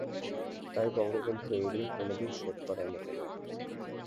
তাই বঙ্গবন্ধুর এই ঋণ কোনো দিন শোধ করার মতো নয়।